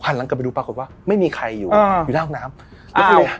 หันหลังกลับไปดูปรากฏว่าไม่มีใครอยู่อ่าอยู่หน้าห้องน้ำอ้าว